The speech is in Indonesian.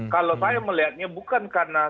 kalau saya melihatnya bukan karena